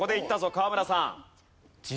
河村さん。